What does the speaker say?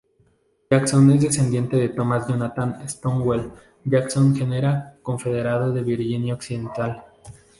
Jackson es descendiente de Thomas Jonathan "Stonewall" Jackson, general confederado de Virginia Occidental.